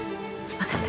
分かった。